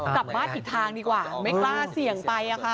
กลับบ้านอีกทางดีกว่าไม่กล้าเสี่ยงไป